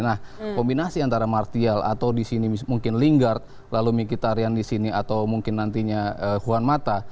nah kombinasi antara martial atau di sini mungkin lingard lalu mikitarian di sini atau mungkin nantinya huan mata